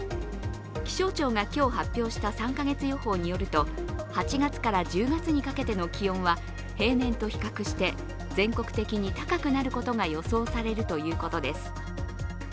気象庁が今日発表した３か月予報によると、８月から１０月にかけての気温は平年と比較して全国的に高くなることが予想されるということです。